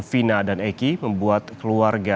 vina dan eki membuat keluarga